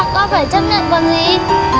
con phải chấp nhận còn gì